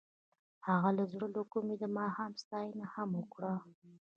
هغې د زړه له کومې د ماښام ستاینه هم وکړه.